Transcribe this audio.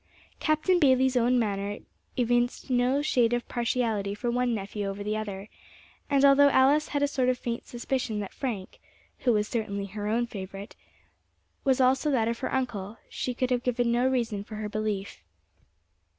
Captain Bayley's own manner evinced no shade of partiality for one nephew over the other; and although Alice had a sort of faint suspicion that Frank, who was certainly her own favourite, was also that of her uncle, she could have given no reason for her belief.